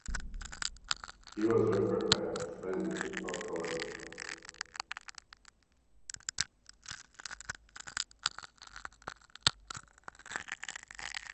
He was referred by a friend to Tod Gordon.